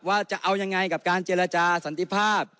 จะเอายังไงกับการเจรจาสันติภาพ